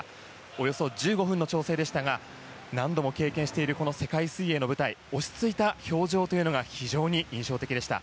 およそ１５分の調整でしたが何度も経験しているこの世界水泳の舞台落ち着いた表情というのが非常に印象的でした。